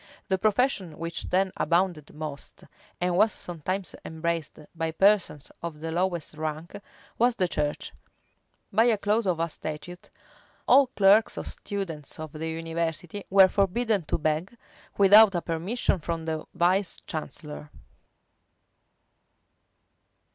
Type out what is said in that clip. The profession which then abounded most, and was sometimes embraced by persons of the lowest rank, was the church: by a clause of a statute, all clerks or students of the university were forbidden to beg, without a permission from the vice chancellor.